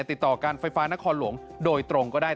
ติดต่อการไฟฟ้านครหลวงโดยตรงก็ได้